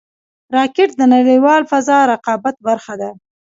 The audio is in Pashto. راکټ د نړیوال فضا رقابت برخه ده